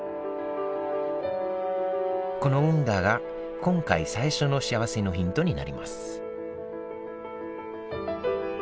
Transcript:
この運河が今回最初のしあわせのヒントになります